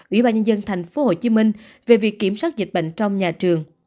ủy ban nhân dân thành phố hồ chí minh về việc kiểm soát dịch bệnh trong nhà trường